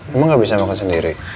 emang gak bisa makan sendiri